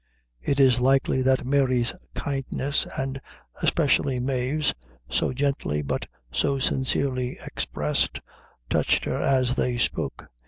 It is likely that Mary's kindness, and especially Mave's, so gently, but so sincerely expressed, touched her as they spoke.